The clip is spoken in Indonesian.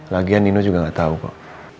lagian nino juga gak tau kok